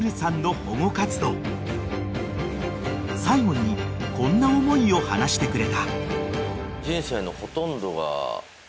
［最後にこんな思いを話してくれた］